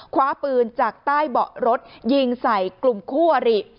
คว้าปืนจากใต้เบาะรถยิงใส่กลุ่มคู่อริ